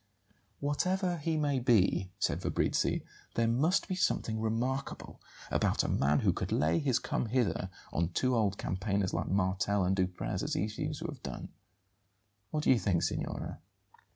"Whatever he may be," said Fabrizi; "there must be something remarkable about a man who could lay his 'come hither' on two old campaigners like Martel and Duprez as he seems to have done. What do you think, signora?"